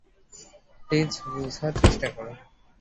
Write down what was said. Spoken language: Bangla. প্লিজ, বুঝার চেষ্টা করো।